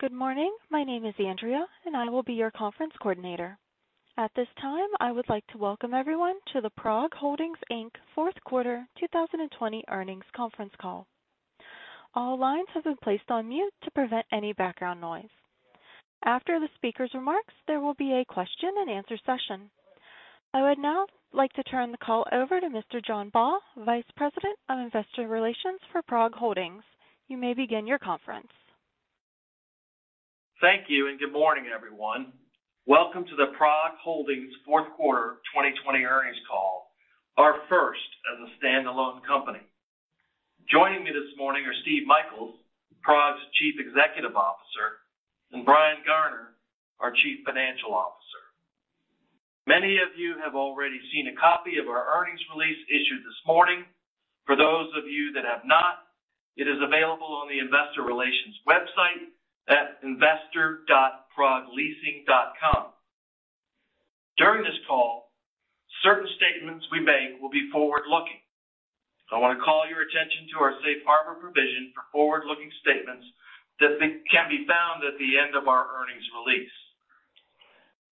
Good morning. My name is Andrea, and I will be your conference coordinator. At this time, I would like to welcome everyone to the PROG Holdings, Inc. Fourth Quarter 2020 Earnings Conference Call. All lines have been placed on mute to prevent any background noise. After the speaker's remarks, there will be a question and answer session. I would now like to turn the call over to Mr. John Baugh, Vice President of Investor Relations for PROG Holdings. You may begin your conference. Thank you. Good morning, everyone. Welcome to the PROG Holdings fourth quarter 2020 earnings call, our first as a standalone company. Joining me this morning are Steve Michaels, PROG's Chief Executive Officer, and Brian Garner, our Chief Financial Officer. Many of you have already seen a copy of our earnings release issued this morning. For those of you that have not, it is available on the investor relations website at investor.progholdings.com. During this call, certain statements we make will be forward-looking. I want to call your attention to our safe harbor provision for forward-looking statements that can be found at the end of our earnings release.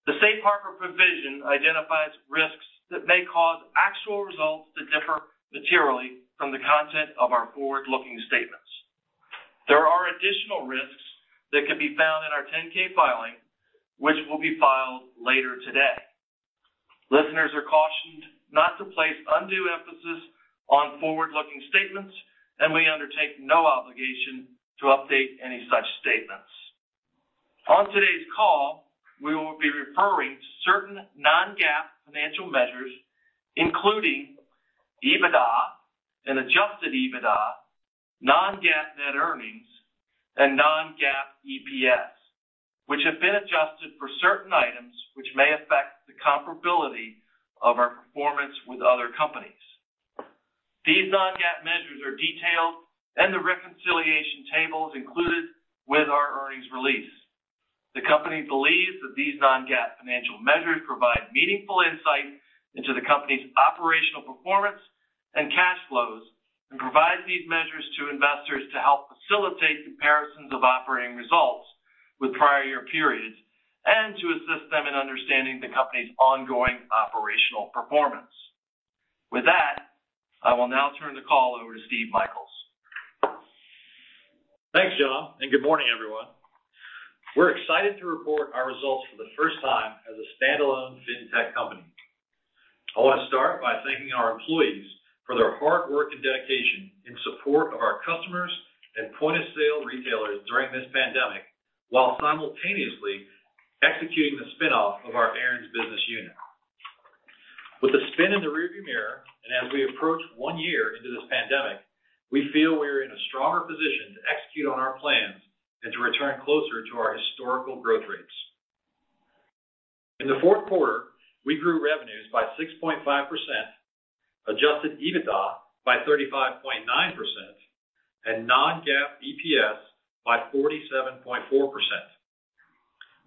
The safe harbor provision identifies risks that may cause actual results to differ materially from the content of our forward-looking statements. There are additional risks that can be found in our 10-K filing, which will be filed later today. Listeners are cautioned not to place undue emphasis on forward-looking statements, and we undertake no obligation to update any such statements. On today's call, we will be referring to certain non-GAAP financial measures, including EBITDA and adjusted EBITDA, non-GAAP net earnings, and non-GAAP EPS, which have been adjusted for certain items which may affect the comparability of our performance with other companies. These non-GAAP measures are detailed in the reconciliation tables included with our earnings release. The company believes that these non-GAAP financial measures provide meaningful insight into the company's operational performance and cash flows and provides these measures to investors to help facilitate comparisons of operating results with prior year periods and to assist them in understanding the company's ongoing operational performance. With that, I will now turn the call over to Steve Michaels. Thanks, John. Good morning, everyone. We're excited to report our results for the first time as a standalone fintech company. I want to start by thanking our employees for their hard work and dedication in support of our customers and point-of-sale retailers during this pandemic, while simultaneously executing the spin-off of our Aaron's business unit. With the spin in the rear-view mirror, as we approach one year into this pandemic, we feel we are in a stronger position to execute on our plans and to return closer to our historical growth rates. In the fourth quarter, we grew revenues by 6.5%, adjusted EBITDA by 35.9%, and non-GAAP EPS by 47.4%.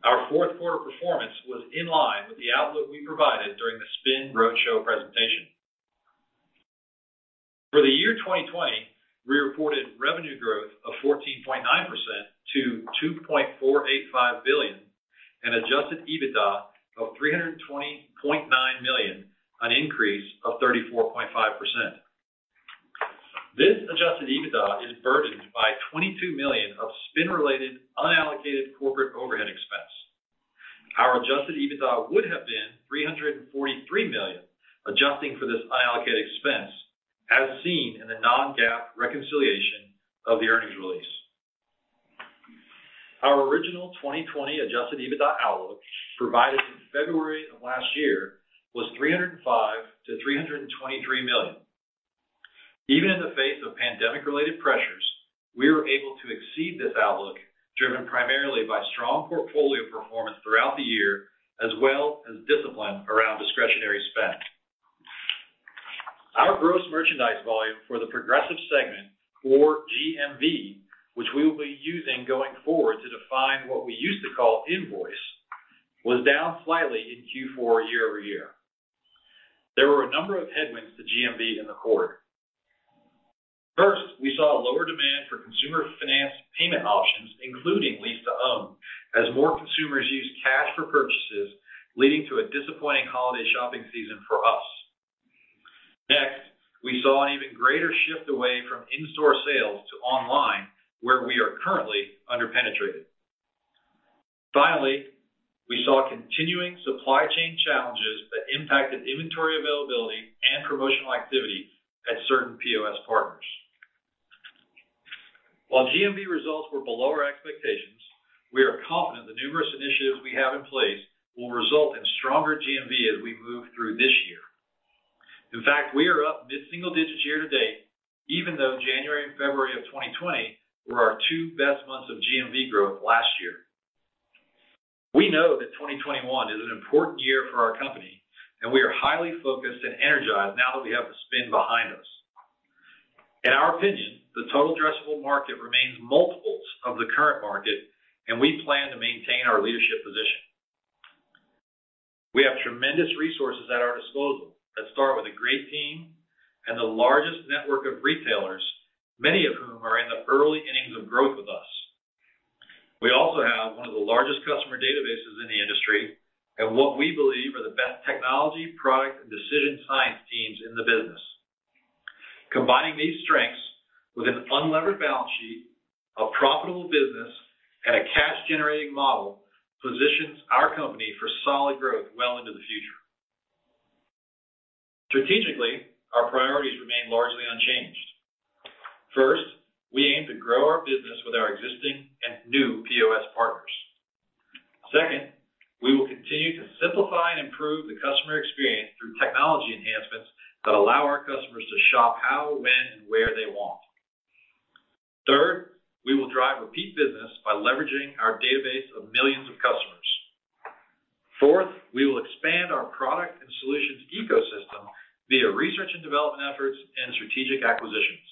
Our fourth quarter performance was in line with the outlook we provided during the spin roadshow presentation. For the year 2020, we reported revenue growth of 14.9% to $2.485 billion and adjusted EBITDA of $320.9 million, an increase of 34.5%. This adjusted EBITDA is burdened by $22 million of spin-related unallocated corporate overhead expense. Our adjusted EBITDA would have been $343 million, adjusting for this unallocated expense, as seen in the non-GAAP reconciliation of the earnings release. Our original 2020 adjusted EBITDA outlook provided in February of last year was $305 million-$323 million. Even in the face of pandemic-related pressures, we were able to exceed this outlook, driven primarily by strong portfolio performance throughout the year, as well as discipline around discretionary spend. Our gross merchandise volume for the Progressive segment, or GMV, which we will be using going forward to define what we used to call invoice, was down slightly in Q4 year-over-year. There were a number of headwinds to GMV in the quarter. First, we saw a lower demand for consumer finance payment options, including lease-to-own, as more consumers used cash for purchases, leading to a disappointing holiday shopping season for us. Next, we saw an even greater shift away from in-store sales to online, where we are currently under-penetrated. Finally, we saw continuing supply chain challenges that impacted inventory availability and promotional activity at certain POS partners. While GMV results were below our expectations, we are confident the numerous initiatives we have in place will result in stronger GMV as we move through this year. In fact, we are up mid-single digits year to date, even though January and February of 2020 were our two best months of GMV growth last year. We know that 2021 is an important year for our company, and we are highly focused and energized now that we have the spin behind us. In our opinion, the total addressable market remains multiples of the current market, and we plan to maintain our leadership position. We have tremendous resources at our disposal that start with a great team and the largest network of retailers, many of whom are in the early innings of growth with us. We also have one of the largest customer databases in the industry and what we believe are the best technology, product, and decision science teams in the business. Combining these strengths with an unlevered balance sheet, a profitable business, and a cash-generating model positions our company for solid growth well into the future. Strategically, our priorities remain largely unchanged. First, we aim to grow our business with our existing and new POS partners. Second, we will continue to simplify and improve the customer experience through technology enhancements that allow our customers to shop how, when, and where they want. Third, we will drive repeat business by leveraging our database of millions of customers. Fourth, we will expand our product and solutions ecosystem via research and development efforts and strategic acquisitions.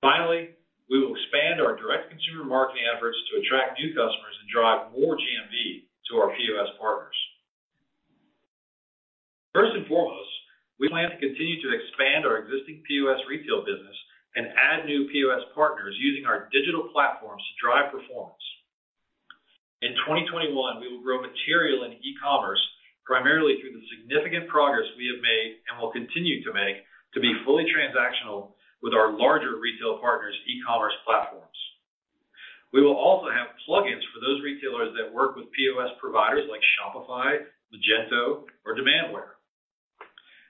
Finally, we will expand our direct consumer marketing efforts to attract new customers and drive more GMV to our POS partners. First and foremost, we plan to continue to expand our existing POS retail business and add new POS partners using our digital platforms to drive performance. In 2021, we will grow material in e-commerce primarily through the significant progress we have made and will continue to make to be fully transactional with our larger retail partners' e-commerce platforms. We will also have plugins for those retailers that work with POS providers like Shopify, Magento, or Demandware.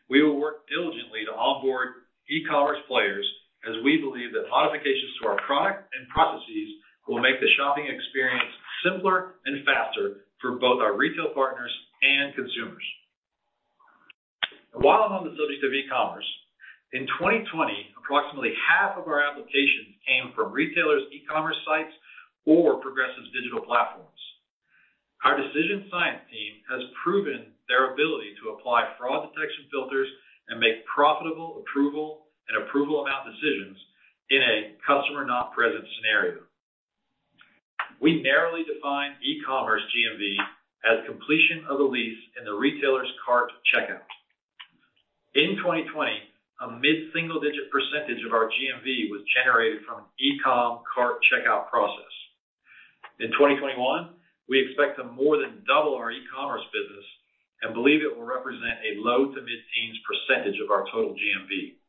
We will work diligently to onboard e-commerce players as we believe that modifications to our product and processes will make the shopping experience simpler and faster for both our retail partners and consumers. While I'm on the subject of e-commerce, in 2020, approximately half of our applications came from retailers' e-commerce sites or Progressive's digital platforms. Our decision science team has proven their ability to apply fraud detection filters and make profitable approval and approval amount decisions in a customer not present scenario. We narrowly define e-commerce GMV as completion of a lease in the retailer's cart checkout. In 2020, a mid-single-digit percentage of our GMV was generated from an e-com cart checkout process. In 2021, we expect to more than double our e-commerce business and believe it will represent a low to mid-teens percentage of our total GMV.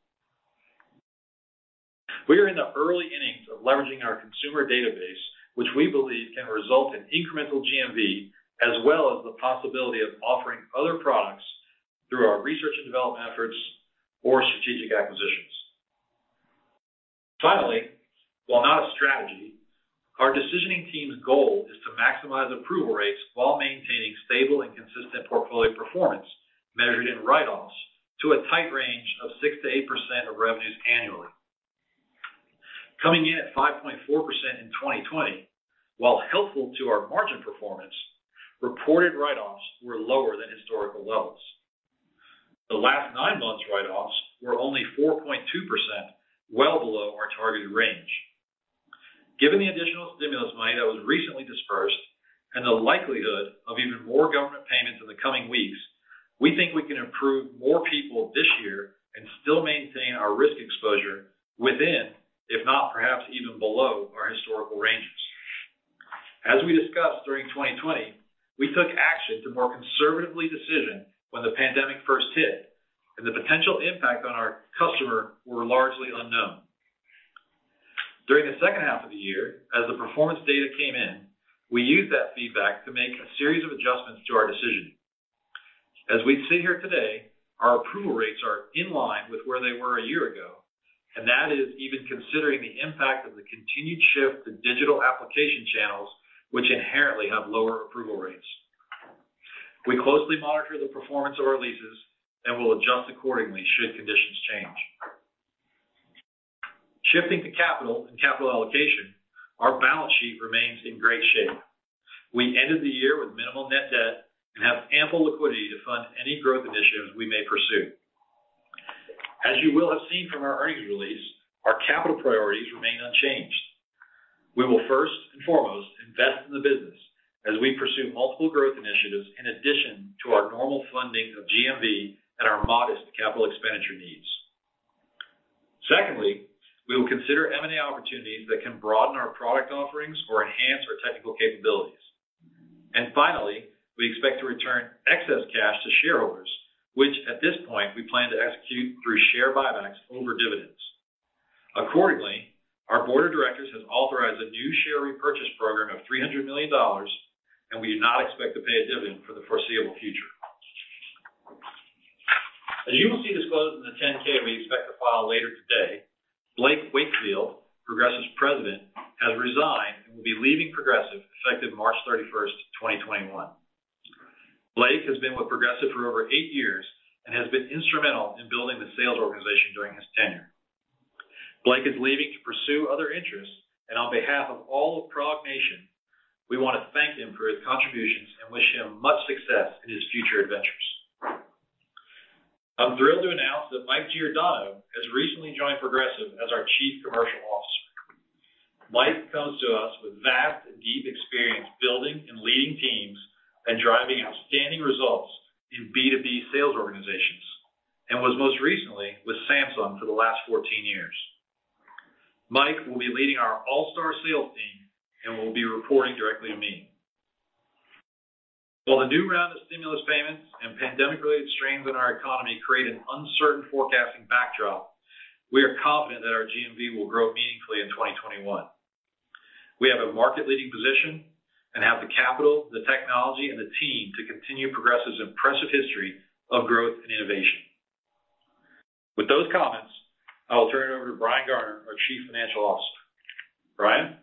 We are in the early innings of leveraging our consumer database, which we believe can result in incremental GMV, as well as the possibility of offering other products through our research and development efforts or strategic acquisitions. Finally, while not a strategy, our decisioning team's goal is to maximize approval rates while maintaining stable and consistent portfolio performance measured in write-offs to a tight range of 6%-8% of revenues annually. Coming in at 5.4% in 2020, while helpful to our margin performance, reported write-offs were lower than historical levels. The last nine months write-offs were only 4.2%, well below our targeted range. Given the additional stimulus money that was recently disbursed and the likelihood of even more government payments in the coming weeks, we think we can approve more people this year and still maintain our risk exposure within, if not perhaps even below, our historical ranges. As we discussed during 2020, we took action to more conservatively decision when the pandemic first hit and the potential impact on our customer were largely unknown. During the second half of the year, as the performance data came in, we used that feedback to make a series of adjustments to our decision. As we sit here today, our approval rates are in line with where they were a year ago, and that is even considering the impact of the continued shift to digital application channels, which inherently have lower approval rates. We closely monitor the performance of our leases and will adjust accordingly should conditions change. Shifting to capital and capital allocation, our balance sheet remains in great shape. We ended the year with minimal net debt and have ample liquidity to fund any growth initiatives we may pursue. As you will have seen from our earnings release, our capital priorities remain unchanged. We will first and foremost invest in the business as we pursue multiple growth initiatives in addition to our normal funding of GMV and our modest capital expenditure needs. Secondly, we will consider M&A opportunities that can broaden our product offerings or enhance our technical capabilities. Finally, we expect to return excess cash to shareholders, which at this point, we plan to execute through share buybacks over dividends. Accordingly, our board of directors has authorized a new share repurchase program of $300 million, and we do not expect to pay a dividend for the foreseeable future. As you will see disclosed in the 10-K we expect to file later today, Blake Wakefield, Progressive's president, has resigned and will be leaving Progressive effective March 31st, 2021. Blake has been with Progressive for over eight years and has been instrumental in building the sales organization during his tenure. Blake is leaving to pursue other interests, and on behalf of all of PROG Nation, we want to thank him for his contributions and wish him much success in his future adventures. I'm thrilled to announce that Mike Giordano has recently joined Progressive as our Chief Commercial Officer. Mike comes to us with vast, deep experience building and leading teams and driving outstanding results in B2B sales organizations, and was most recently with Samsung for the last 14 years. Mike will be leading our all-star sales team and will be reporting directly to me. While the new round of stimulus payments and pandemic-related strains on our economy create an uncertain forecasting backdrop, we are confident that our GMV will grow meaningfully in 2021. We have a market-leading position and have the capital, the technology, and the team to continue Progressive's impressive history of growth and innovation. With those comments, I will turn it over to Brian Garner, our Chief Financial Officer. Brian?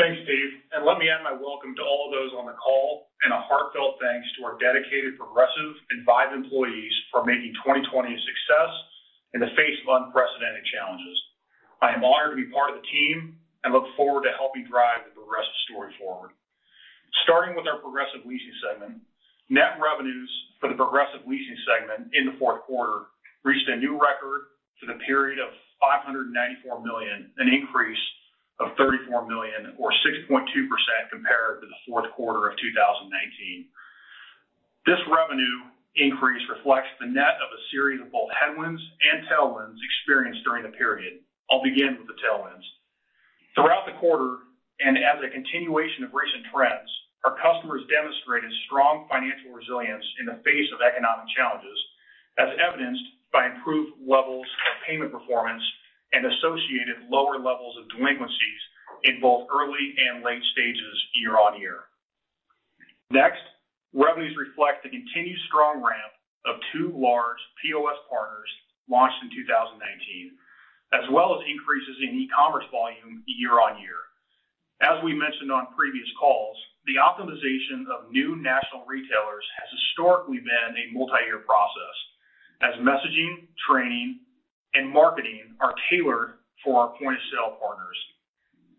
Thanks, Steve. Let me add my welcome to all of those on the call and a heartfelt thanks to our dedicated Progressive and Vive employees for making 2020 a success in the face of unprecedented challenges. I am honored to be part of the team and look forward to helping drive the Progressive story forward. Starting with our Progressive Leasing segment, net revenues for the Progressive Leasing segment in the fourth quarter reached a new record for the period of $594 million, an increase of $34 million or 6.2% compared to the fourth quarter of 2019. This revenue increase reflects the net of a series of both headwinds and tailwinds experienced during the period. I'll begin with the tailwinds. Throughout the quarter, and as a continuation of recent trends, our customers demonstrated strong financial resilience in the face of economic challenges, as evidenced by improved levels of payment performance and associated lower levels of delinquencies in both early and late stages year-on-year. Next, revenues reflect the continued strong ramp of two large POS partners launched in 2019, as well as increases in e-commerce volume year-on-year. As we mentioned on previous calls, the optimization of new national retailers has historically been a multi-year process, as messaging, training, and marketing are tailored for our point-of-sale partners.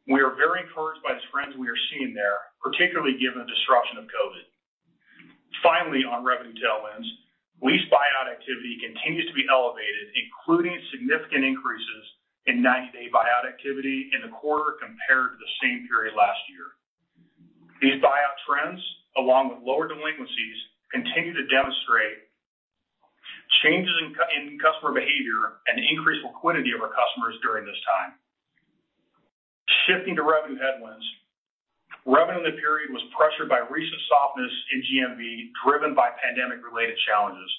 We are very encouraged by the trends we are seeing there, particularly given the disruption of COVID. Finally, on revenue tailwinds, lease buyout activity continues to be elevated, including significant increases in 90 day buyout activity in the quarter compared to the same period last year. These buyout trends, along with lower delinquencies, continue to demonstrate changes in customer behavior and increased liquidity of our customers during this time. Shifting to revenue headwinds, revenue in the period was pressured by recent softness in GMV driven by pandemic-related challenges.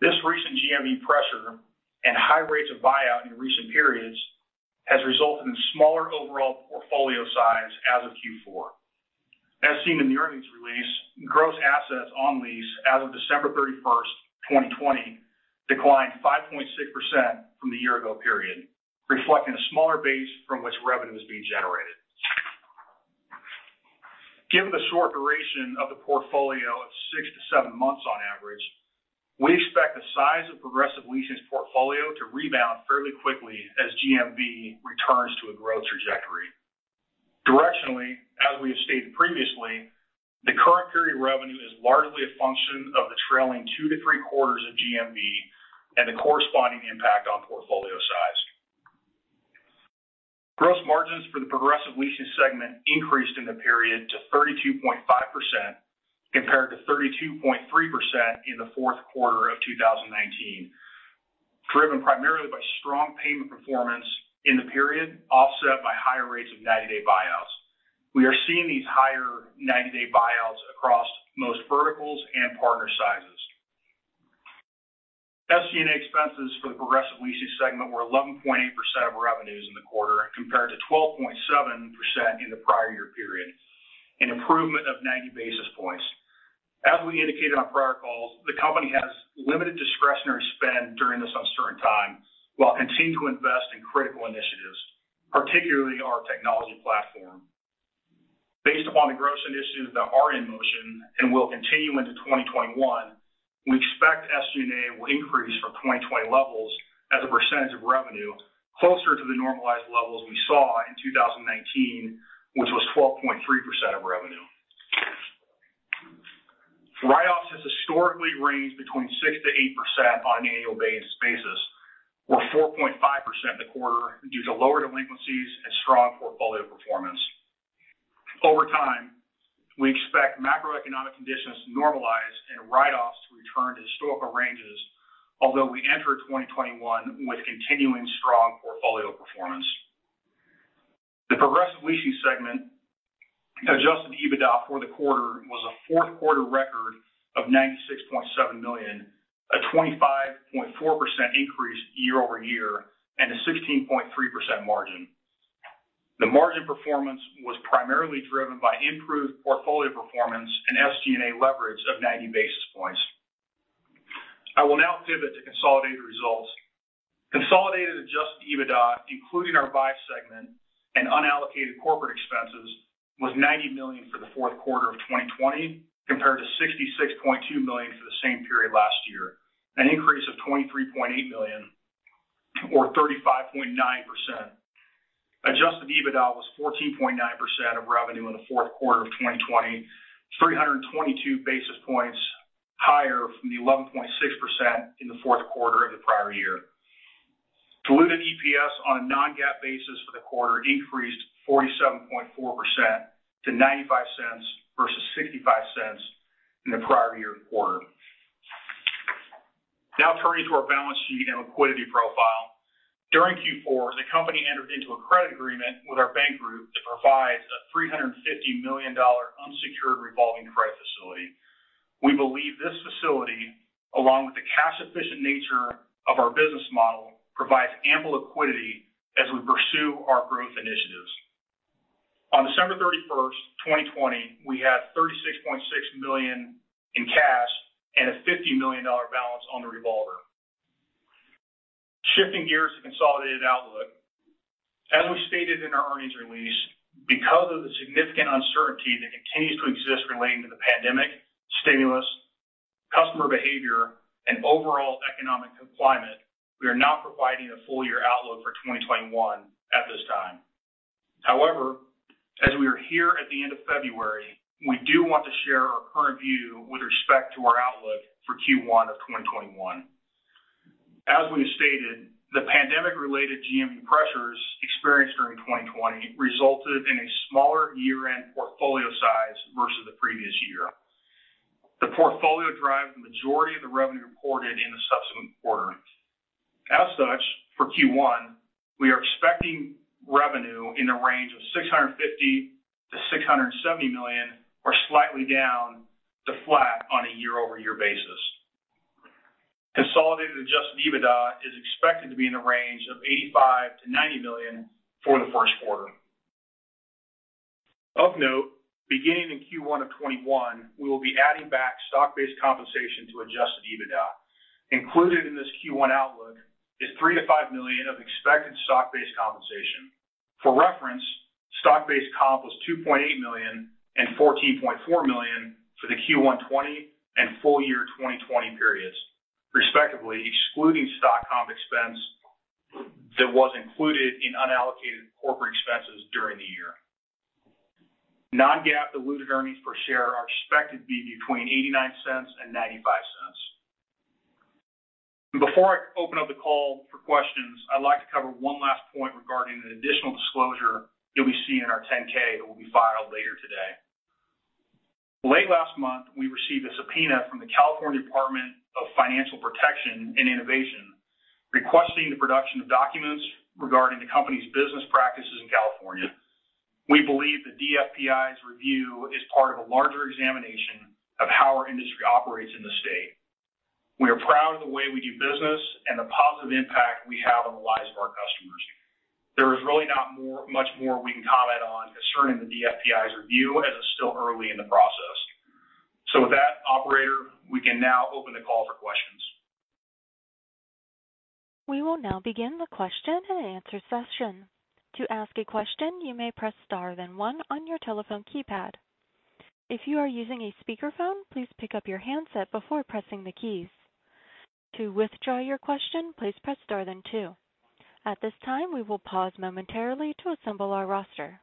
This recent GMV pressure and high rates of buyout in recent periods has resulted in smaller overall portfolio size as of Q4. As seen in the earnings release, gross assets on lease as of December 31st, 2020, declined 5.6% from the year-ago period, reflecting a smaller base from which revenue is being generated. Given the short duration of the portfolio of six to seven months on average, we expect the size of Progressive Leasing's portfolio to rebound fairly quickly as GMV returns to a growth trajectory. Directionally, as we have stated previously, the current period revenue is largely a function of the trailing two to three quarters of GMV and the corresponding impact on portfolio size. Gross margins for the Progressive Leasing segment increased in the period to 32.5%, compared to 32.3% in the fourth quarter of 2019, driven primarily by strong payment performance in the period, offset by higher rates of 90 day buyouts. We are seeing these higher 90 day buyouts across most verticals and partner sizes. SG&A expenses for the Progressive Leasing segment were 11.8% of revenues in the quarter compared to 12.7% in the prior year period, an improvement of 90 basis points. As we indicated on prior calls, the company has limited discretionary spend during this uncertain time while continuing to invest in critical initiatives, particularly our technology platform. Based upon the growth initiatives that are in motion and will continue into 2021, we expect SG&A will increase from 2020 levels as a percentage of revenue closer to the normalized levels we saw in 2019, which was 12.3% of revenue. Write-offs has historically ranged between 6%-8% on an annual basis, or 4.5% in the quarter due to lower delinquencies and strong portfolio performance. Over time, we expect macroeconomic conditions to normalize and write-offs to return to historical ranges, although we enter 2021 with continuing strong portfolio performance. The Progressive Leasing segment adjusted EBITDA for the quarter was a fourth quarter record of $96.7 million, a 25.4% increase year-over-year and a 16.3% margin. The margin performance was primarily driven by improved portfolio performance and SG&A leverage of 90 basis points. I will now pivot to consolidated results. Consolidated adjusted EBITDA, including our Vive segment and unallocated corporate expenses, was $90 million for the fourth quarter of 2020, compared to $66.2 million for the same period last year, an increase of $23.8 million, or 35.9%. Adjusted EBITDA was 14.9% of revenue in the fourth quarter of 2020, 322 basis points higher from the 11.6% in the fourth quarter of the prior year. Diluted EPS on a non-GAAP basis for the quarter increased 47.4% to $0.95 versus $0.65 in the prior year quarter. Turning to our balance sheet and liquidity profile. During Q4, the company entered into a credit agreement with our bank group that provides a $350 million unsecured revolving credit facility. We believe this facility, along with the cash efficient nature of our business model, provides ample liquidity as we pursue our growth initiatives. On December 31st, 2020, we had $36.6 million in cash and a $50 million balance on the revolver. Shifting gears to consolidated outlook. As we stated in our earnings release, because of the significant uncertainty that continues to exist relating to the pandemic, stimulus, customer behavior, and overall economic compliance, we are not providing a full year outlook for 2021 at this time. As we are here at the end of February, we do want to share our current view with respect to our outlook for Q1 of 2021. As we stated, the pandemic-related GMV pressures experienced during 2020 resulted in a smaller year-end portfolio size versus the previous year. The portfolio drives the majority of the revenue reported in the subsequent quarter. As such, for Q1, we are expecting revenue in the range of $650 million-$670 million or slightly down to flat on a year-over-year basis. Consolidated adjusted EBITDA is expected to be in the range of $85 million-$90 million for the first quarter. Of note, beginning in Q1 of 2021, we will be adding back stock-based compensation to adjusted EBITDA. Included in this Q1 outlook is $3 million-$5 million of expected stock-based compensation. For reference, stock-based comp was $2.8 million and $14.4 million for the Q1 2020 and full year 2020 periods, respectively, excluding stock comp expense that was included in unallocated corporate expenses during the year. Non-GAAP diluted earnings per share are expected to be between $0.89 and $0.95. Before I open up the call for questions, I'd like to cover one last point regarding an additional disclosure you'll be seeing in our 10-K that will be filed later today. Late last month, we received a subpoena from the California Department of Financial Protection and Innovation requesting the production of documents regarding the company's business practices in California. We believe the DFPI's review is part of a larger examination of how our industry operates in the state. We are proud of the way we do business and the positive impact we have on the lives of our customers. There is really not much more we can comment on concerning the DFPI's review, as it's still early in the process. With that, operator, we can now open the call for questions. We will now begin the question and answer session. To ask a question, you may press star then one on your telephone keypad. If you are using a speakerphone, please pick up your handset before pressing the keys. To withdraw your question, please press star then two. At this time, we will pause momentarily to assemble our roster.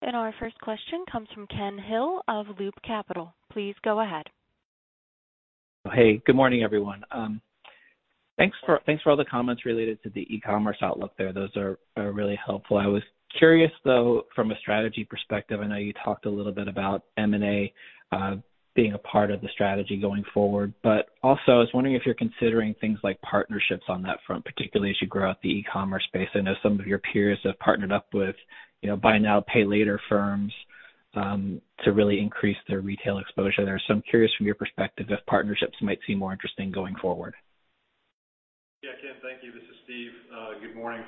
Our first question comes from Ken Hill of Loop Capital. Please go ahead. Hey, good morning, everyone. Thanks for all the comments related to the e-commerce outlook there. Those are really helpful. I was curious, though, from a strategy perspective, I know you talked a little bit about M&A being a part of the strategy going forward, but also I was wondering if you're considering things like partnerships on that front, particularly as you grow out the e-commerce space. I know some of your peers have partnered up with buy now, pay later firms to really increase their retail exposure there. I'm curious from your perspective if partnerships might seem more interesting going forward. Yeah, Ken, thank you. This is Steve. Good morning.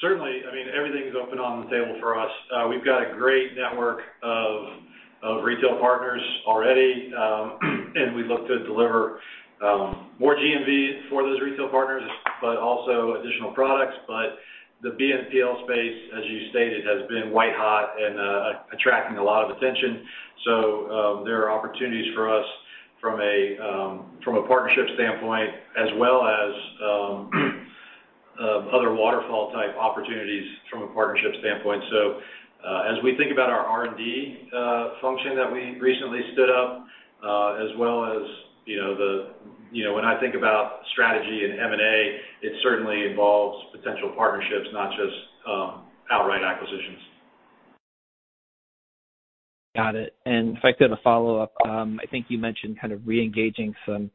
Certainly, everything's open on the table for us. We've got a great network of retail partners already, and we look to deliver more GMV for those retail partners, but also additional products. The BNPL space, as you stated, has been white hot and attracting a lot of attention. There are opportunities for us from a partnership standpoint as well as other waterfall type opportunities from a partnership standpoint. As we think about our R&D function that we recently stood up as well as when I think about strategy and M&A, it certainly involves potential partnerships, not just outright acquisitions. Got it. If I could have a follow-up. I think you mentioned kind of re-engaging some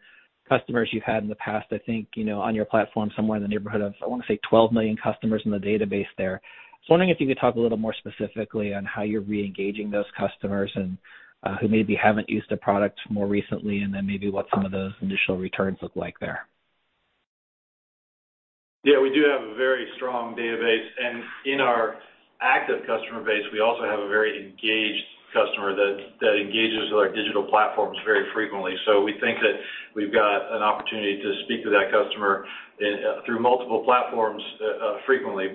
customers you had in the past. I think on your platform, somewhere in the neighborhood of, I want to say 12 million customers in the database there. I was wondering if you could talk a little more specifically on how you're re-engaging those customers who maybe haven't used a product more recently, and then maybe what some of those initial returns look like there. Yeah, we do have a very strong database. In our active customer base, we also have a very engaged. customer that engages with our digital platforms very frequently. We think that we've got an opportunity to speak to that customer through multiple platforms frequently.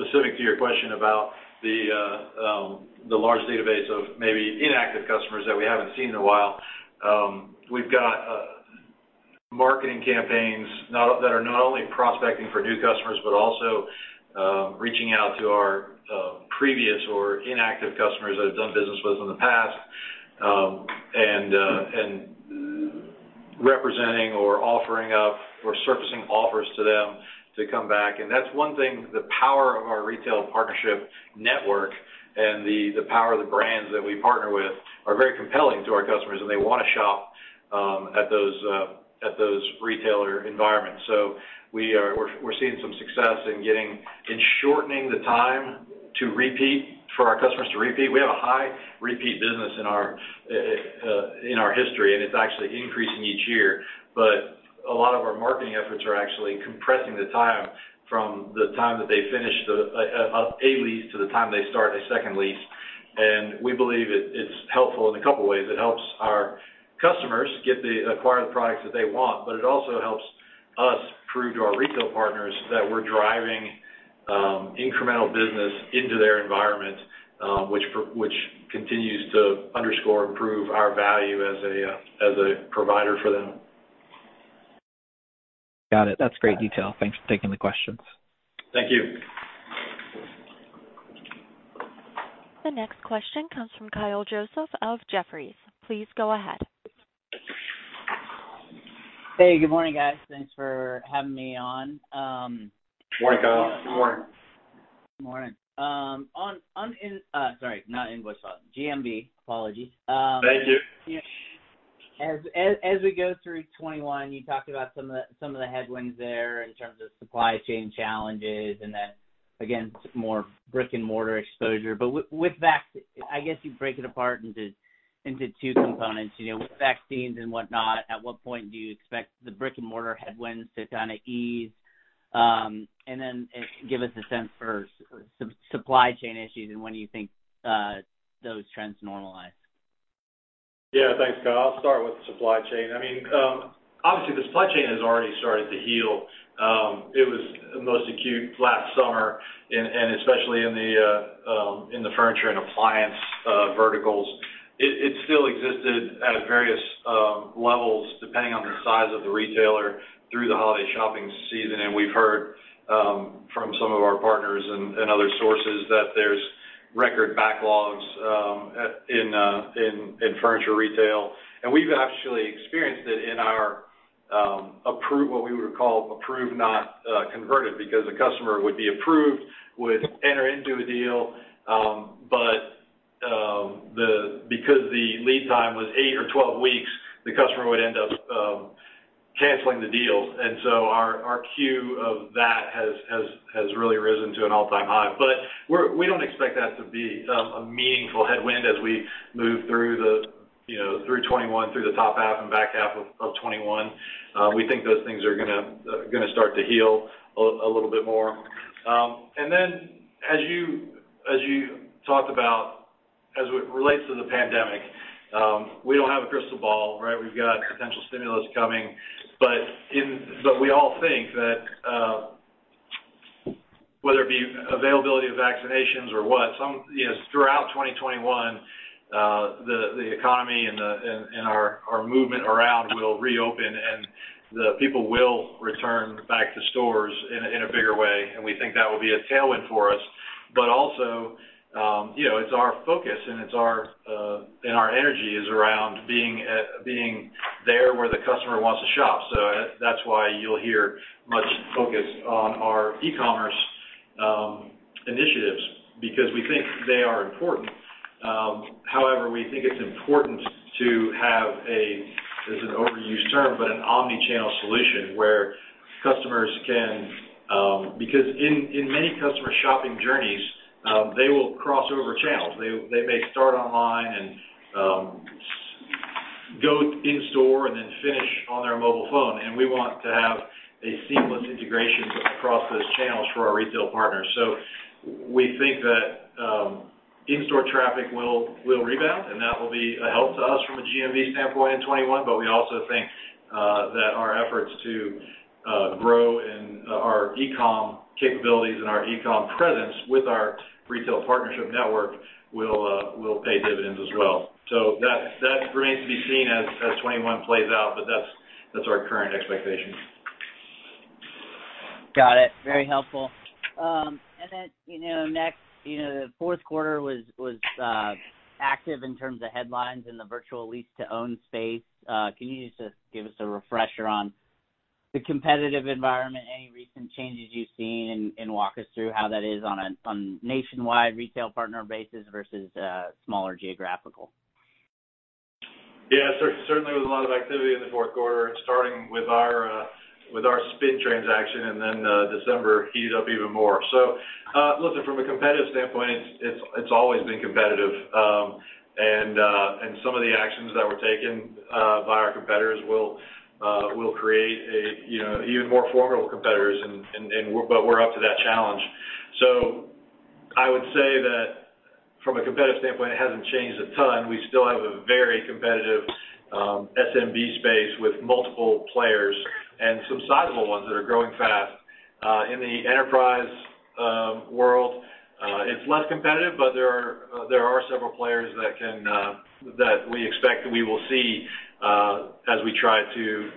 Specific to your question about the large database of maybe inactive customers that we haven't seen in a while, we've got marketing campaigns that are not only prospecting for new customers, but also reaching out to our previous or inactive customers that have done business with us in the past, and representing or offering up or surfacing offers to them to come back. That's one thing, the power of our retail partnership network and the power of the brands that we partner with are very compelling to our customers, and they want to shop at those retailer environments. We're seeing some success in shortening the time for our customers to repeat. We have a high repeat business in our history, and it's actually increasing each year. A lot of our marketing efforts are actually compressing the time from the time that they finish a lease to the time they start a second lease. We believe it's helpful in a couple of ways. It helps our customers acquire the products that they want, but it also helps us prove to our retail partners that we're driving incremental business into their environment, which continues to underscore and prove our value as a provider for them. Got it. That's great detail. Thanks for taking the questions. Thank you. The next question comes from Kyle Joseph of Jefferies. Please go ahead. Hey, good morning, guys. Thanks for having me on. Morning, Kyle. Good morning. Good morning. Sorry, not invoice file. GMV, apologies. Thank you. As we go through 2021, you talked about some of the headwinds there in terms of supply chain challenges, and then again, more brick-and-mortar exposure. I guess you break it apart into two components. With vaccines and whatnot, at what point do you expect the brick-and-mortar headwinds to kind of ease? Then give us a sense for supply chain issues, and when do you think those trends normalize? Yeah. Thanks, Kyle. I'll start with the supply chain. Obviously, the supply chain has already started to heal. It was most acute last summer, especially in the furniture and appliance verticals. It still existed at various levels, depending on the size of the retailer through the holiday shopping season. We've heard from some of our partners and other sources that there's record backlogs in furniture retail. We've actually experienced it in our, what we would call approved, not converted. Because a customer would be approved, would enter into a deal, but because the lead time was 8-12 weeks, the customer would end up canceling the deals. So our queue of that has really risen to an all-time high. We don't expect that to be a meaningful headwind as we move through 2021, through the top half and back half of 2021. We think those things are going to start to heal a little bit more. Then as you talked about, as it relates to the pandemic, we don't have a crystal ball, right? We've got potential stimulus coming. We all think that whether it be availability of vaccinations or what, throughout 2021, the economy and our movement around will reopen, and the people will return back to stores in a bigger way, and we think that will be a tailwind for us. Also, it's our focus, and our energy is around being there where the customer wants to shop. That's why you'll hear much focus on our e-commerce initiatives because we think they are important. However, we think it's important to have a, it's an overused term, but an omni-channel solution where customers can because in many customer shopping journeys, they will cross over channels. They may start online and go in store and then finish on their mobile phone. We want to have a seamless integration across those channels for our retail partners. We think that in-store traffic will rebound, and that will be a help to us from a GMV standpoint in 2021. We also think that our efforts to grow in our e-com capabilities and our e-com presence with our retail partnership network will pay dividends as well. That remains to be seen as 2021 plays out, but that's our current expectation. Got it. Very helpful. Next, the fourth quarter was active in terms of headlines in the virtual lease-to-own space. Can you just give us a refresher on the competitive environment, any recent changes you've seen, and walk us through how that is on nationwide retail partner basis versus smaller geographical? Certainly was a lot of activity in the fourth quarter, starting with our spin transaction, and then December heated up even more. From a competitive standpoint, it's always been competitive. Some of the actions that were taken by our competitors will create even more formidable competitors, but we're up to that challenge. I would say that from a competitive standpoint, it hasn't changed a ton. We still have a very competitive SMB space with multiple players and some sizable ones that are growing fast. In the enterprise world, it's less competitive, but there are several players that we expect we will see as we try to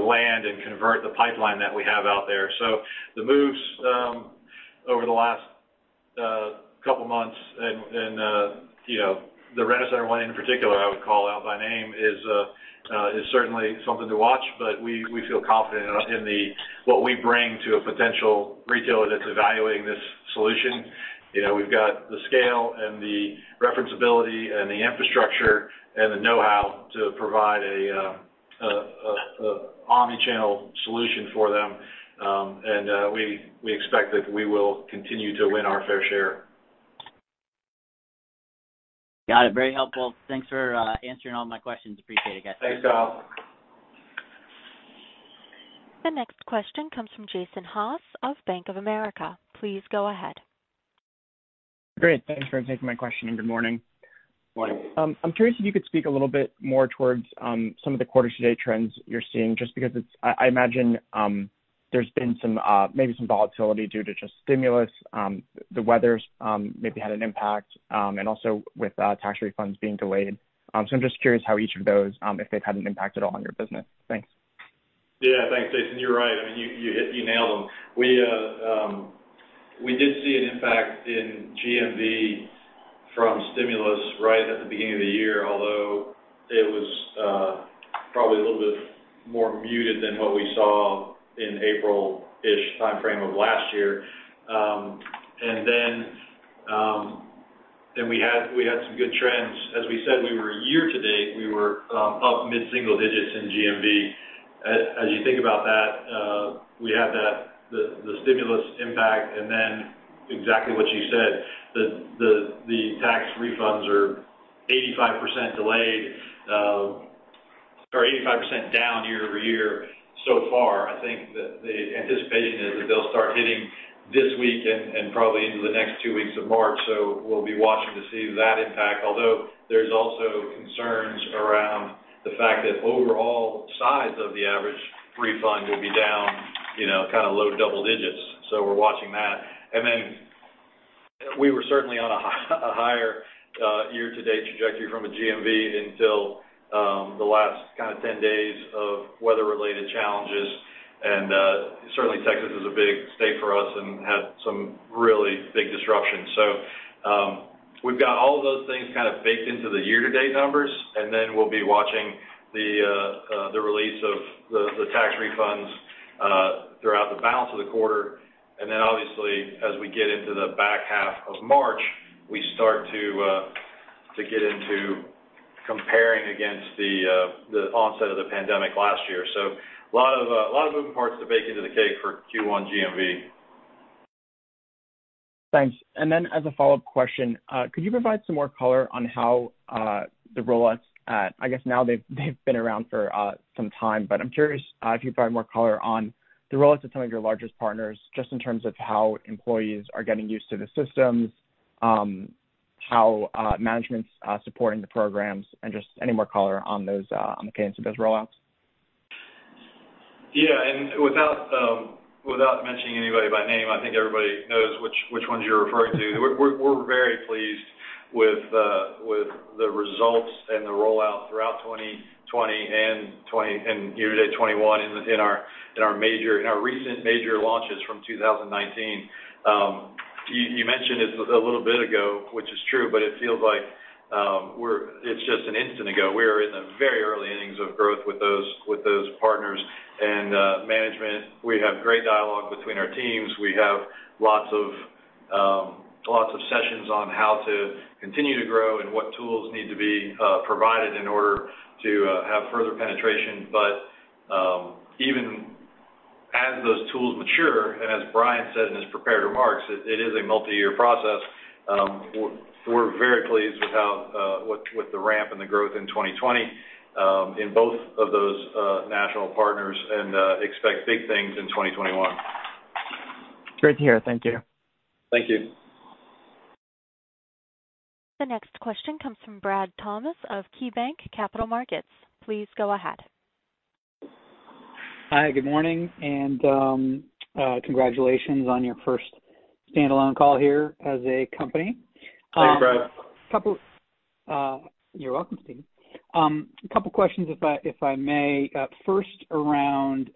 land and convert the pipeline that we have out there. The moves over the last couple of months and the Rent-A-Center one in particular, I would call out by name, is certainly something to watch, but we feel confident in what we bring to a potential retailer that's evaluating this solution. We've got the scale and the referenceability and the infrastructure and the know-how to provide an omni-channel solution for them. We expect that we will continue to win our fair share. Got it. Very helpful. Thanks for answering all my questions. Appreciate it, guys. Thanks, Kyle. The next question comes from Jason Haas of Bank of America. Please go ahead. Great. Thanks for taking my question, and good morning. Morning. I'm curious if you could speak a little bit more towards some of the quarter-to-date trends you're seeing, just because I imagine there's been maybe some volatility due to just stimulus, the weather's maybe had an impact, and also with tax refunds being delayed. I'm just curious how each of those, if they've had an impact at all on your business. Thanks. Thanks, Jason. You're right. You nailed them. We did see an impact in GMV from stimulus right at the beginning of the year, although it was probably a little bit more muted than what we saw in April-ish timeframe of last year. We had some good trends. As we said, we were year-to-date, we were up mid-single digits in GMV. As you think about that, we had the stimulus impact, exactly what you said, the tax refunds are 85% delayed or 85% down year-over-year so far. I think that the anticipation is that they'll start hitting this week and probably into the next two weeks of March. We'll be watching to see that impact. Although there's also concerns around the fact that overall size of the average refund will be down low double digits. We're watching that. We were certainly on a higher year-to-date trajectory from a GMV until the last kind of 10 days of weather-related challenges. Certainly Texas is a big state for us and had some really big disruptions. We've got all of those things kind of baked into the year-to-date numbers. We'll be watching the release of the tax refunds throughout the balance of the quarter. Obviously, as we get into the back half of March, we start to get into comparing against the onset of the pandemic last year. A lot of moving parts to bake into the cake for Q1 GMV. Thanks. As a follow-up question, I guess now they've been around for some time, but I'm curious if you could provide more color on the rollouts of some of your largest partners, just in terms of how employees are getting used to the systems, how management's supporting the programs, and just any more color on the cadence of those rollouts? Yeah. Without mentioning anybody by name, I think everybody knows which ones you're referring to. We're very pleased with the results and the rollout throughout 2020 and year-to-date 2021 in our recent major launches from 2019. You mentioned this a little bit ago, which is true, but it feels like it's just an instant ago. We are in the very early innings of growth with those partners and management. We have great dialogue between our teams. We have lots of sessions on how to continue to grow and what tools need to be provided in order to have further penetration. Even as those tools mature, and as Brian said in his prepared remarks, it is a multi-year process. We're very pleased with the ramp and the growth in 2020 in both of those national partners and expect big things in 2021. Great to hear. Thank you. Thank you. The next question comes from Brad Thomas of KeyBanc Capital Markets. Please go ahead. Hi, good morning, and congratulations on your first standalone call here as a company. Thanks, Brad. You're welcome, Steve. A couple questions, if I may. First, around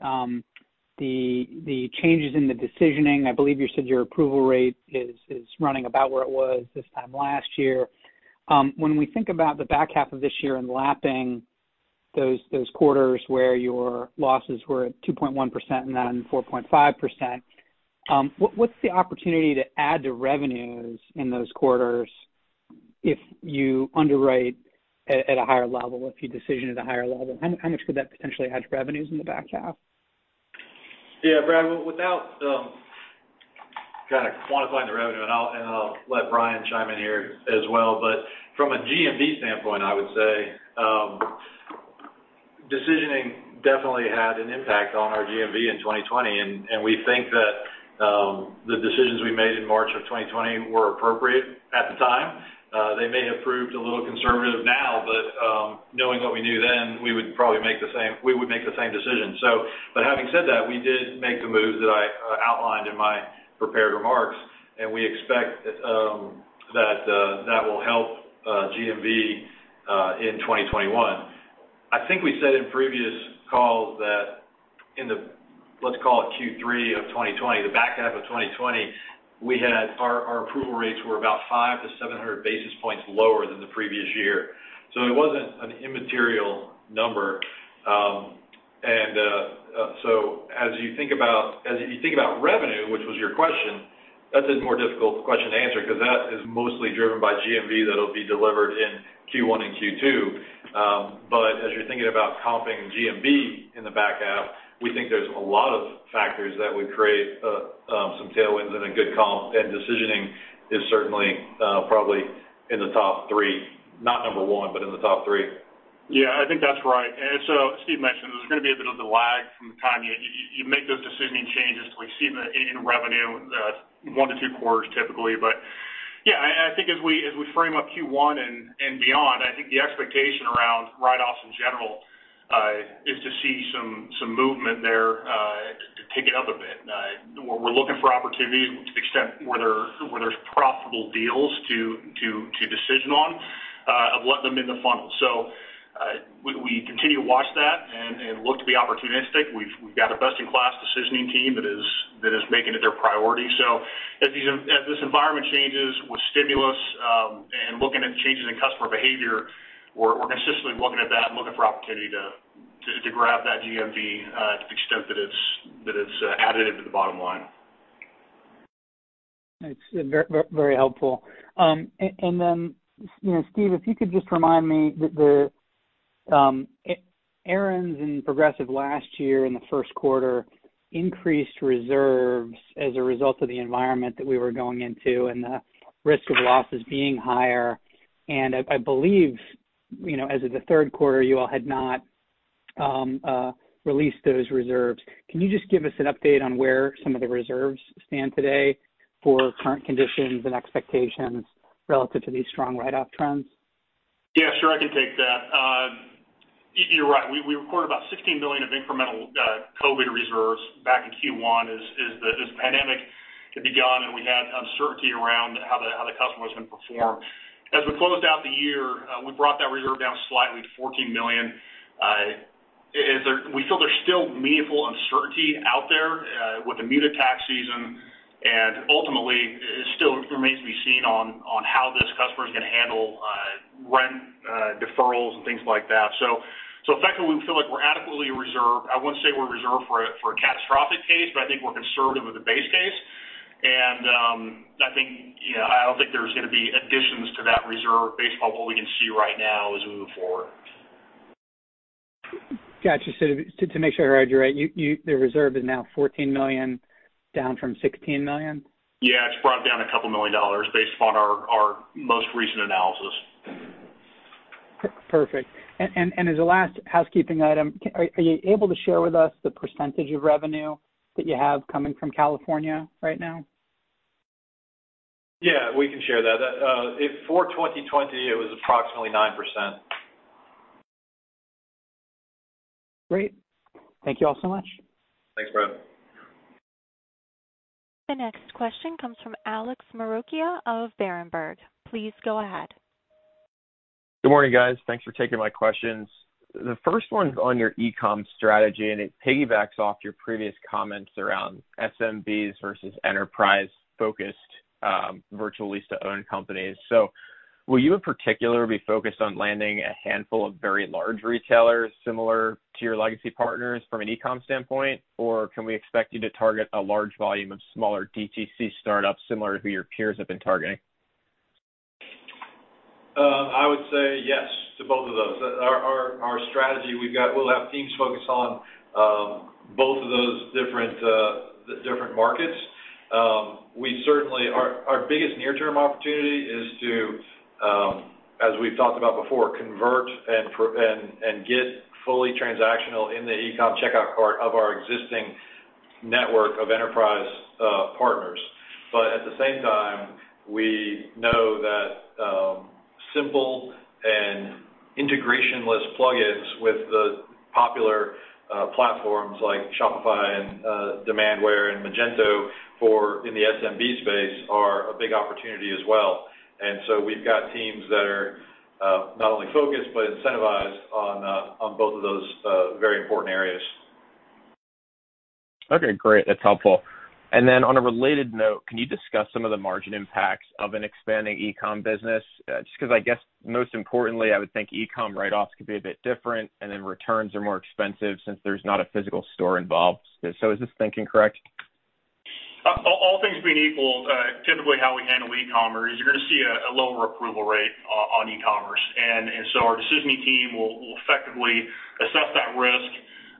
the changes in the decisioning. I believe you said your approval rate is running about where it was this time last year. When we think about the back half of this year and lapping those quarters where your losses were at 2.1% and then 4.5%, what's the opportunity to add to revenues in those quarters if you underwrite at a higher level, if you decision at a higher level? How much could that potentially add to revenues in the back half? Yeah, Brad, without kind of quantifying the revenue, and I'll let Brian chime in here as well. From a GMV standpoint, I would say decisioning definitely had an impact on our GMV in 2020, and we think that the decisions we made in March of 2020 were appropriate at the time. They may have proved a little conservative now, knowing what we knew then, we would make the same decision. Having said that, we did make the moves that I outlined in my prepared remarks, and we expect that that will help GMV in 2021. I think we said in previous calls that in the, let's call it Q3 2020, the back half of 2020, our approval rates were about 500-700 basis points lower than the previous year. It wasn't an immaterial number. As you think about revenue, which was your question, that's a more difficult question to answer, because that is mostly driven by GMV that'll be delivered in Q1 and Q2. As you're thinking about comping GMV in the back half, we think there's a lot of factors that would create some tailwinds and a good comp, and decisioning is certainly probably in the top three. Not number one, but in the top three. Yeah, I think that's right. Steve mentioned, there's going to be a bit of a lag from the time you make those decisioning changes to receive in revenue, one to two quarters typically. Yeah, I think as we frame up Q1 and beyond, I think the expectation around write-offs in general, is to see some movement there to tick it up a bit. We're looking for opportunities to the extent where there's profitable deals to decision on, of letting them in the funnel. We continue to watch that and look to be opportunistic. We've got a best-in-class decisioning team that is making it their priority. As this environment changes with stimulus, and looking at changes in customer behavior, we're consistently looking at that and looking for opportunity to grab that GMV to the extent that it's additive to the bottom line. It's very helpful. Steve, if you could just remind me, Aaron's and Progressive last year in the first quarter increased reserves as a result of the environment that we were going into and the risk of losses being higher. I believe, as of the third quarter, you all had not released those reserves. Can you just give us an update on where some of the reserves stand today for current conditions and expectations relative to these strong write-off trends? Yeah, sure. I can take that. You're right, we recorded about $16 million of incremental COVID reserves back in Q1 as the pandemic had begun and we had uncertainty around how the customer was going to perform. As we closed out the year, we brought that reserve down slightly to $14 million. We feel there's still meaningful uncertainty out there, with the muted tax season, and ultimately, it still remains to be seen on how this customer's going to handle rent deferrals and things like that. Effectively, we feel like we're adequately reserved. I wouldn't say we're reserved for a catastrophic case, but I think we're conservative with the base case. I don't think there's going to be additions to that reserve based on what we can see right now as we move forward. Got you. To make sure I heard you right, the reserve is now $14 million, down from $16 million? Yeah. It's brought down a couple million dollars based upon our most recent analysis. Perfect. As a last housekeeping item, are you able to share with us the percentage of revenue that you have coming from California right now? Yeah, we can share that. For 2020, it was approximately 9%. Great. Thank you all so much. Thanks, Brad. The next question comes from Alex Maroccia of Berenberg. Please go ahead. Good morning, guys. Thanks for taking my questions. The first one's on your e-com strategy, and it piggybacks off your previous comments around SMBs versus enterprise-focused virtual lease-to-own companies. Will you in particular be focused on landing a handful of very large retailers similar to your legacy partners from an e-com standpoint? Or can we expect you to target a large volume of smaller DTC startups similar to who your peers have been targeting? I would say yes to both of those. Our strategy, we'll have teams focus on both of those different markets. Our biggest near-term opportunity is to, as we've talked about before, convert and get fully transactional in the e-com checkout cart of our existing network of enterprise partners. At the same time, we know that simple and integrationless plugins with the popular platforms like Shopify and Demandware and Magento in the SMB space are a big opportunity as well. We've got teams that are not only focused but incentivized on both of those very important areas. Okay, great. That's helpful. On a related note, can you discuss some of the margin impacts of an expanding e-com business? Just because I guess most importantly, I would think e-com write-offs could be a bit different, returns are more expensive since there's not a physical store involved. Is this thinking correct? All things being equal, typically how we handle e-commerce, you're going to see a lower approval rate on e-commerce. Our decisioning team will effectively assess that risk.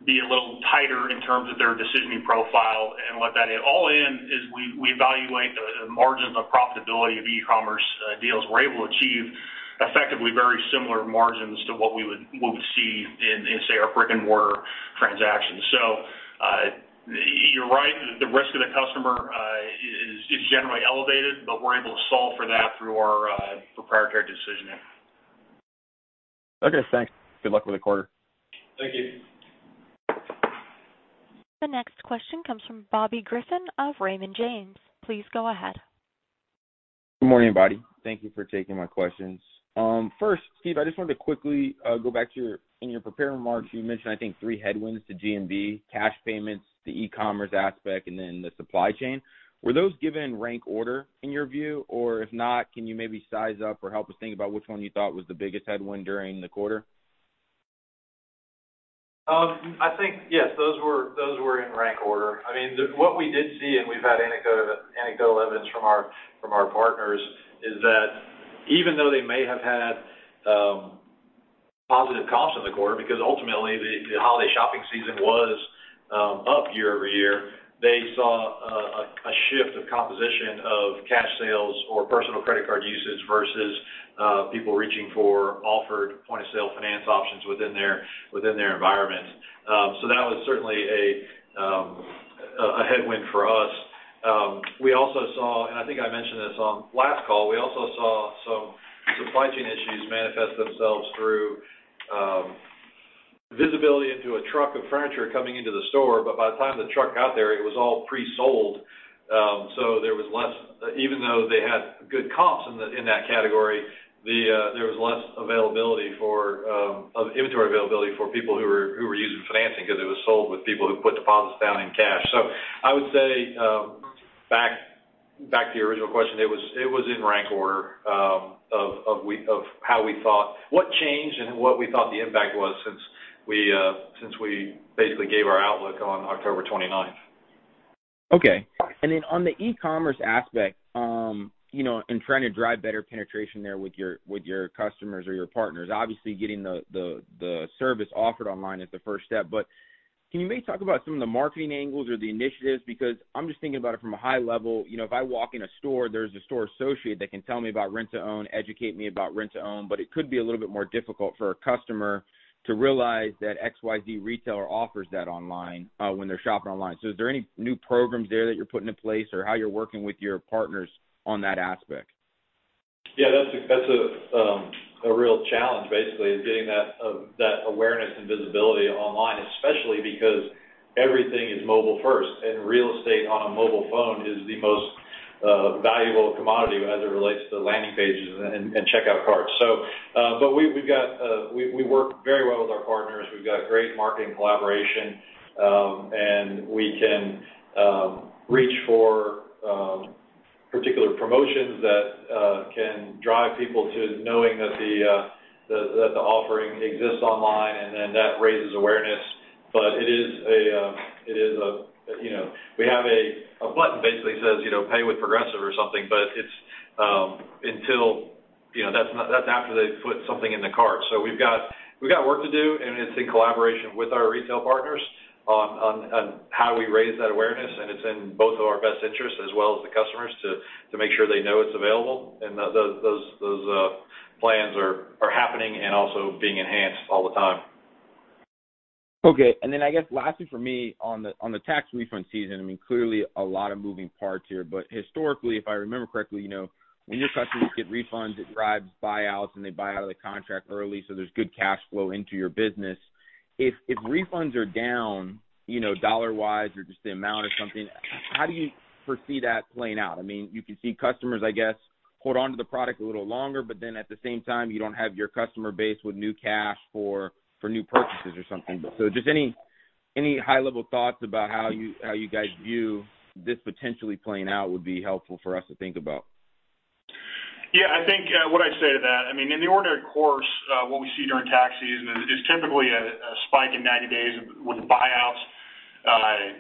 Be a little tighter in terms of their decisioning profile and let that all in as we evaluate the margins of profitability of e-commerce deals. We're able to achieve effectively very similar margins to what we would see in, say, our brick-and-mortar transactions. You're right. The risk to the customer is generally elevated, but we're able to solve for that through our proprietary decisioning. Okay, thanks. Good luck with the quarter. Thank you. The next question comes from Bobby Griffin of Raymond James. Please go ahead. Good morning, everybody. Thank you for taking my questions. First, Steve, I just wanted to quickly go back to your prepared remarks, you mentioned, I think, three headwinds to GMV, cash payments, the e-commerce aspect, and then the supply chain. Were those given in rank order in your view? If not, can you maybe size up or help us think about which one you thought was the biggest headwind during the quarter? I think, yes. Those were in rank order. What we did see, and we've had anecdotal evidence from our partners, is that even though they may have had positive comps in the quarter, because ultimately the holiday shopping season was up year-over-year. They saw a shift of composition of cash sales or personal credit card usage versus people reaching for offered point-of-sale finance options within their environment. That was certainly a headwind for us. We also saw, and I think I mentioned this on last call, we also saw some supply chain issues manifest themselves through visibility into a truck of furniture coming into the store. By the time the truck got there, it was all pre-sold. Even though they had good comps in that category, there was less inventory availability for people who were using financing because it was sold with people who put deposits down in cash. I would say, back to your original question, it was in rank order of how we thought, what changed and what we thought the impact was since we basically gave our outlook on October 29th. Okay. On the e-commerce aspect, in trying to drive better penetration there with your customers or your partners, obviously getting the service offered online is the first step. Can you maybe talk about some of the marketing angles or the initiatives? I'm just thinking about it from a high level. If I walk in a store, there's a store associate that can tell me about rent-to-own, educate me about rent-to-own, but it could be a little bit more difficult for a customer to realize that XYZ retailer offers that online when they're shopping online. Is there any new programs there that you're putting in place or how you're working with your partners on that aspect? Yeah, that's a real challenge, basically, is getting that awareness and visibility online, especially because everything is mobile first, and real estate on a mobile phone is the most valuable commodity as it relates to the landing pages and checkout carts. We work very well with our partners. We've got great marketing collaboration, and we can reach for particular promotions that can drive people to knowing that the offering exists online, and then that raises awareness. We have a button basically says, "Pay with Progressive" or something, but that's after they've put something in the cart. We've got work to do, and it's in collaboration with our retail partners on how we raise that awareness. It's in both of our best interests as well as the customers to make sure they know it's available. Those plans are happening and also being enhanced all the time. Okay. I guess lastly for me on the tax refund season, clearly a lot of moving parts here. Historically, if I remember correctly, when your customers get refunds, it drives buyouts and they buy out of the contract early, so there's good cash flow into your business. If refunds are down dollar-wise or just the amount or something, how do you foresee that playing out? You can see customers, I guess, hold on to the product a little longer, but then at the same time, you don't have your customer base with new cash for new purchases or something. Just any high-level thoughts about how you guys view this potentially playing out would be helpful for us to think about. I think what I'd say to that, in the ordinary course, what we see during tax season is typically a spike in 90 days with buyouts.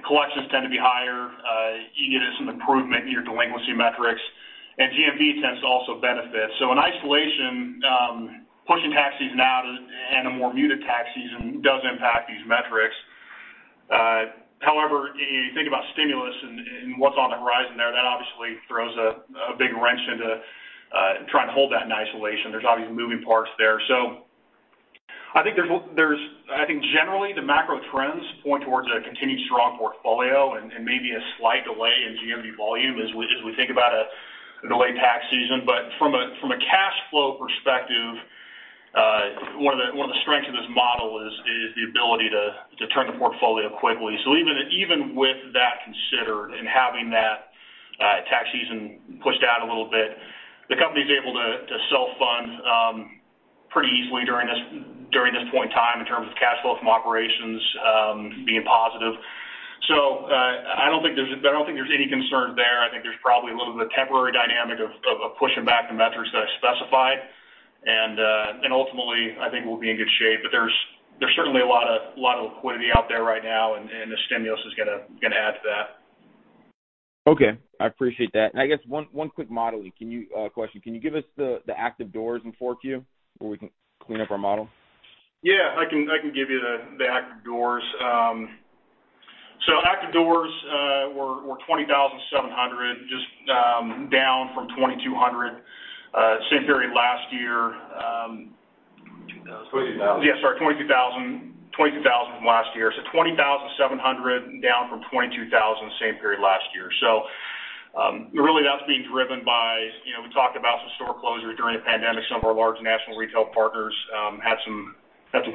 Collections tend to be higher. You get some improvement in your delinquency metrics. GMV tends to also benefit. In isolation, pushing tax season out and a more muted tax season does impact these metrics. However, you think about stimulus and what's on the horizon there, that obviously throws a big wrench into trying to hold that in isolation. There's obviously moving parts there. I think generally, the macro trends point towards a continued strong portfolio and maybe a slight delay in GMV volume as we think about a delayed tax season. From a cash flow perspective, one of the strengths of this model is the ability to turn the portfolio quickly. Even with that considered and having that tax season pushed out a little bit, the company's able to self-fund pretty easily during this point in time in terms of cash flow from operations being positive. I don't think there's any concern there. I think there's probably a little bit of temporary dynamic of pushing back the metrics that I specified. Ultimately, I think we'll be in good shape. There's certainly a lot of liquidity out there right now, and the stimulus is going to add to that. Okay. I appreciate that. I guess one quick modeling question. Can you give us the active doors in 4Q, where we can clean up our model? Yeah. I can give you the active doors. Active doors were 20,700, just down from 2,200 same period last year. 22,000. Yeah, sorry, 22,000 from last year. 20,700 down from 22,000 same period last year. Really that's being driven by, we talked about some store closures during the pandemic. Some of our large national retail partners had some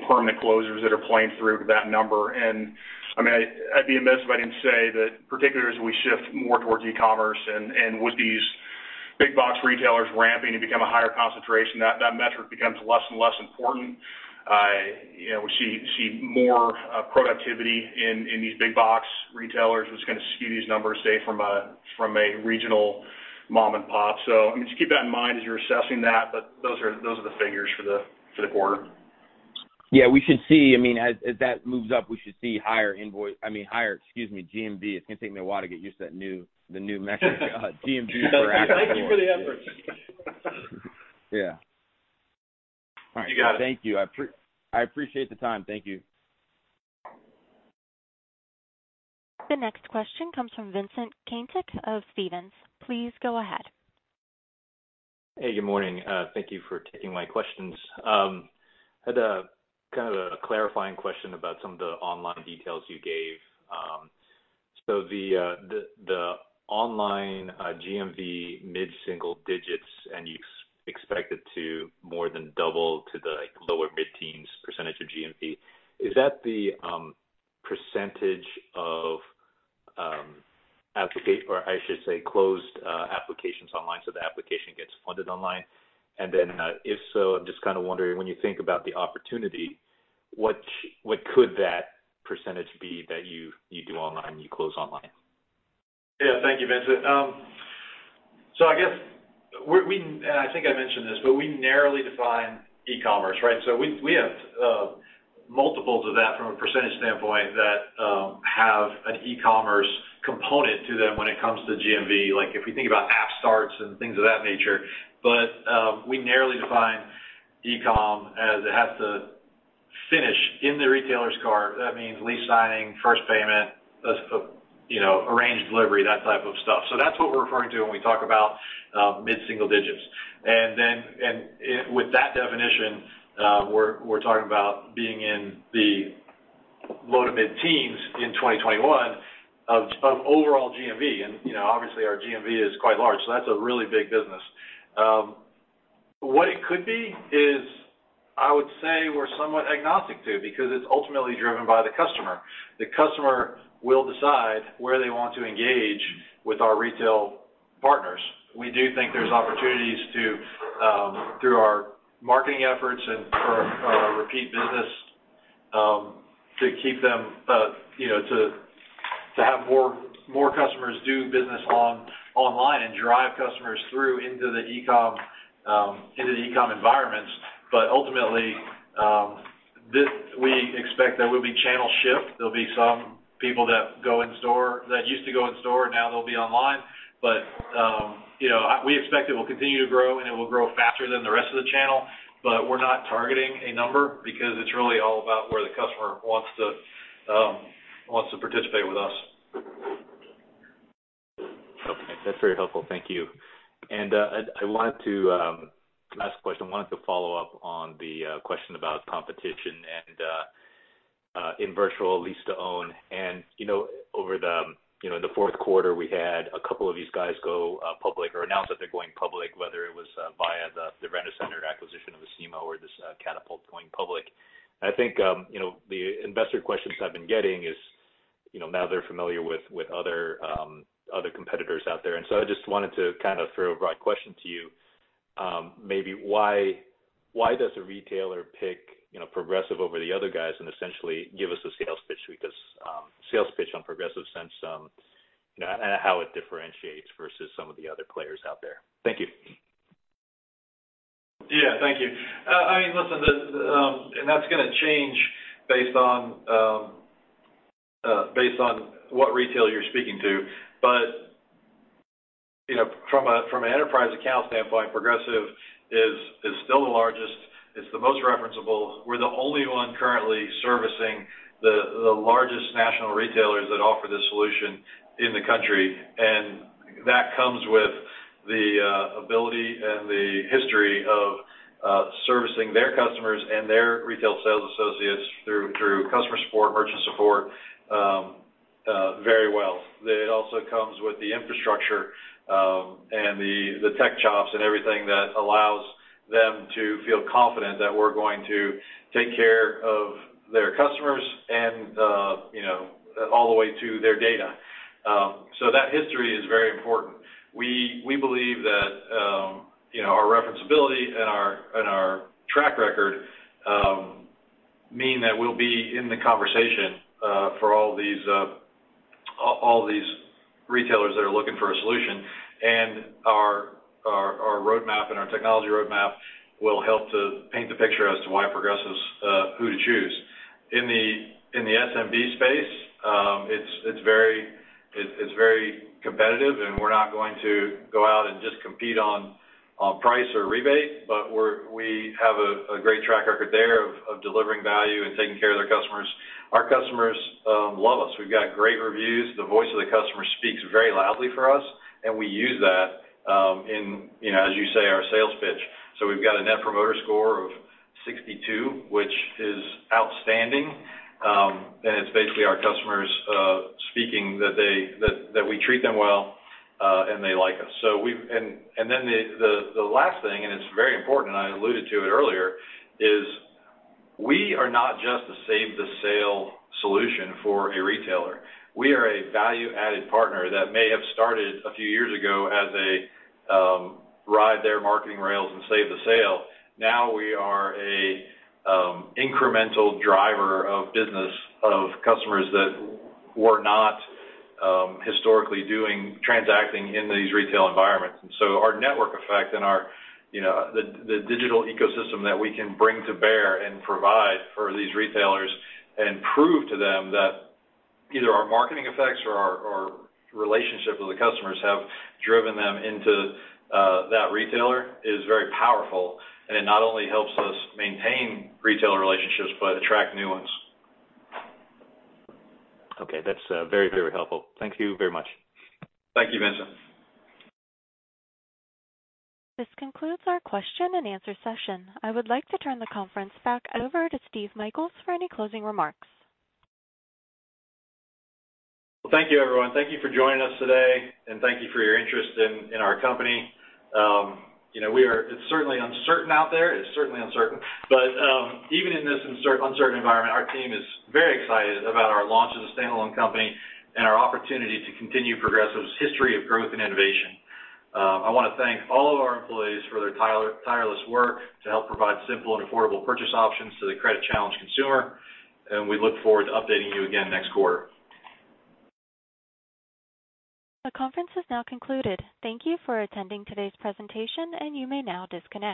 permanent closures that are playing through to that number. I'd be amiss if I didn't say that particularly as we shift more towards e-commerce and with these big box retailers ramping to become a higher concentration, that metric becomes less and less important. We see more productivity in these big box retailers, which is going to skew these numbers, say from a regional mom and pop. Just keep that in mind as you're assessing that. Those are the figures for the quarter. Yeah. We should see, as that moves up, we should see higher, excuse me, GMV. It's going to take me a while to get used to the new metric, GMV for active doors. Thank you for the effort. Yeah. All right. You got it. Thank you. I appreciate the time. Thank you. The next question comes from Vincent Caintic of Stephens. Please go ahead. Hey, good morning. Thank you for taking my questions. I had a clarifying question about some of the online details you gave. The online GMV mid-single digits, and you expect it to more than double to the lower mid-teens percentage of GMV. Is that the percentage of applications, or I should say closed applications online, so the application gets funded online? If so, I'm just kind of wondering, when you think about the opportunity, what could that percentage be that you do online, you close online? Yeah. Thank you, Vincent. I guess, and I think I mentioned this, but we narrowly define e-commerce, right? We have multiples of that from a percentage standpoint that have an e-commerce component to them when it comes to GMV. Like if you think about app starts and things of that nature. We narrowly define e-com as it has to finish in the retailer's cart. That means lease signing, first payment, arranged delivery, that type of stuff. That's what we're referring to when we talk about mid-single digits. With that definition, we're talking about being in the low to mid-teens in 2021 of overall GMV. Obviously our GMV is quite large, so that's a really big business. What it could be is, I would say we're somewhat agnostic to, because it's ultimately driven by the customer. The customer will decide where they want to engage with our retail partners. We do think there's opportunities through our marketing efforts and for our repeat business, to have more customers do business online and drive customers through into the e-com environments. Ultimately, we expect there will be channel shift. There'll be some people that used to go in store, now they'll be online. We expect it will continue to grow, and it will grow faster than the rest of the channel. We're not targeting a number because it's really all about where the customer wants to participate with us. That's very helpful. Thank you. Last question, I wanted to follow up on the question about competition in virtual lease to own. Over the fourth quarter, we had a couple of these guys go public or announce that they're going public, whether it was via the Rent-A-Center acquisition of Acima or this Katapult going public. I think the investor questions I've been getting is, now they're familiar with other competitors out there. I just wanted to kind of throw a broad question to you. Maybe why does a retailer pick Progressive over the other guys and essentially give us a sales pitch on Progressive since how it differentiates versus some of the other players out there? Thank you. Yeah. Thank you. Listen, that's going to change based on what retailer you're speaking to. From an enterprise account standpoint, Progressive is still the largest, it's the most referenceable. We're the only one currently servicing the largest national retailers that offer this solution in the country. That comes with the ability and the history of servicing their customers and their retail sales associates through customer support, merchant support, very well. It also comes with the infrastructure, and the tech chops and everything that allows them to feel confident that we're going to take care of their customers and all the way to their data. That history is very important. We believe that our referenceability and our track record mean that we'll be in the conversation for all these retailers that are looking for a solution. our Our roadmap and our technology roadmap will help to paint the picture as to why Progressive's who to choose. In the SMB space, it's very competitive, and we're not going to go out and just compete on price or rebate, but we have a great track record there of delivering value and taking care of their customers. Our customers love us. We've got great reviews. The voice of the customer speaks very loudly for us, and we use that in, as you say, our sales pitch. We've got a Net Promoter Score of 62, which is outstanding, and it's basically our customers speaking that we treat them well, and they like us. The last thing, and it's very important, and I alluded to it earlier, is we are not just a save the sale solution for a retailer. We are a value-added partner that may have started a few years ago as a ride their marketing rails and save the sale. Now we are a incremental driver of business of customers that were not historically transacting in these retail environments. Our network effect and the digital ecosystem that we can bring to bear and provide for these retailers and prove to them that either our marketing effects or our relationship with the customers have driven them into that retailer is very powerful, and it not only helps us maintain retailer relationships but attract new ones. Okay. That's very, very helpful. Thank you very much. Thank you, Vincent. This concludes our question and answer session. I would like to turn the conference back over to Steve Michaels for any closing remarks. Well, thank you everyone. Thank you for joining us today, and thank you for your interest in our company. It's certainly uncertain out there. It's certainly uncertain. Even in this uncertain environment, our team is very excited about our launch as a standalone company and our opportunity to continue Progressive's history of growth and innovation. I want to thank all of our employees for their tireless work to help provide simple and affordable purchase options to the credit-challenged consumer, and we look forward to updating you again next quarter. The conference has now concluded. Thank you for attending today's presentation, and you may now disconnect.